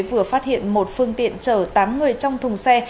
vừa phát hiện một phương tiện chở tám người trong thùng xe